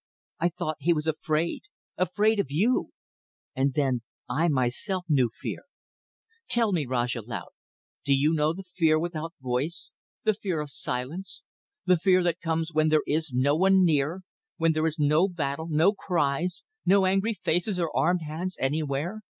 I thought he was afraid. Afraid of you! Then I, myself, knew fear. ... Tell me, Rajah Laut, do you know the fear without voice the fear of silence the fear that comes when there is no one near when there is no battle, no cries, no angry faces or armed hands anywhere?